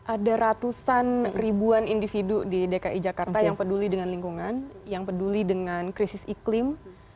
ada ratusan ribuan individu di dki jakarta yang peduli dengan lingkungan yang peduli dengan krisis iklim